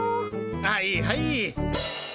はいはい。